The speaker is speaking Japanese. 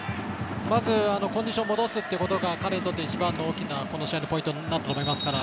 まずコンディションを戻すということが彼にとって一番のポイントになったと思いますから。